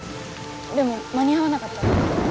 でも間に合わなかったら。